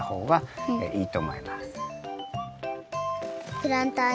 はい。